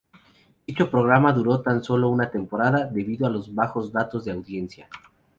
Dicho programa duró tan solo una temporada, debido a los bajos datos de audiencia.